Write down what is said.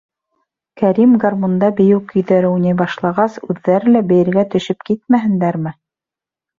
Кәрим гармунда бейеү көйҙәре уйнай башлағас, үҙҙәре лә бейергә төшөп китмәһендәрме!